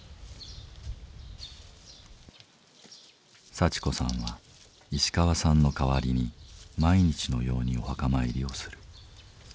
早智子さんは石川さんの代わりに毎日のようにお墓参りをする。